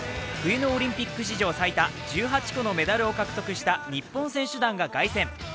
冬のオリンピック史上最多１８個のメダルを獲得した日本選手団が凱旋。